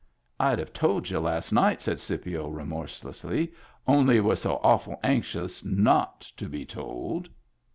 "Fd have told y*u last night," said Scipio, remorselessly, "only y'u were so awful anxious not to be told."